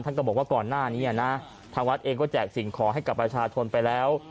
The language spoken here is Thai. ก็บอกว่าก่อนหน้านี้นะทางวัดเองก็แจกสิ่งขอให้กับประชาชนไปแล้ว